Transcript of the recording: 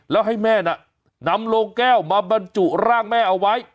แล้วให้แม่น่ะนำโลงแก้วมาบรรจุร่างแม่เอาไว้